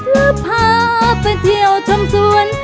แล้วพาไปเที่ยวชมสวน